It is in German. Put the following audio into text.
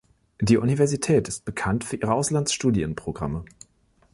Die Universität ist bekannt für ihre Auslandsstudienprogramme.